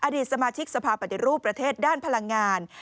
อดีตสมาชิกสภาพปฏิรูปประเทศด้านพลังงาน